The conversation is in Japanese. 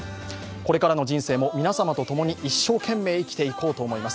これからの人生も皆様と共に一生懸命生きていこうと思います。